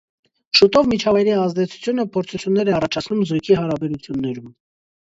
Շուտով միջավայրի ազդեցությունը փորձություններ է առաջացնում զույգի հարաբերություններում։